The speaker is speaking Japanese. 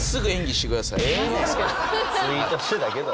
ツイートしてたけど。